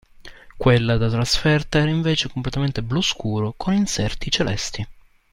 Quella da trasferta era invece completamente blu scuro, con inserti celesti.